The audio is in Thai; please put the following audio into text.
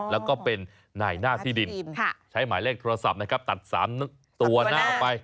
แล้วก็เป็นนายหน้าที่ดินใช้หมายเลขโทรศัพท์นะครับตัด๓ตัวหน้าออกไป